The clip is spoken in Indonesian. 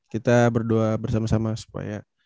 kita berdua bersama sama supaya